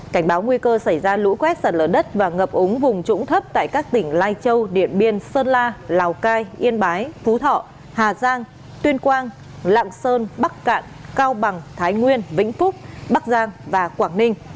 cảnh báo nguy cơ xảy ra lũ quét sạt lở đất và ngập úng vùng trũng thấp tại các tỉnh lai châu điện biên sơn la lào cai yên bái phú thọ hà giang tuyên quang lạng sơn bắc cạn cao bằng thái nguyên vĩnh phúc bắc giang và quảng ninh